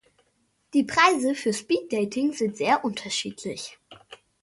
Die Preise für Speed-Dating sind sehr unterschiedlich.